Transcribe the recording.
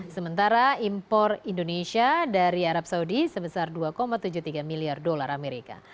sementara impor indonesia dari arab saudi sebesar dua tujuh puluh tiga miliar dolar amerika